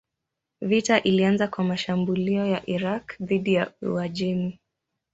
Vita ilianza kwa mashambulio ya Irak dhidi ya Uajemi.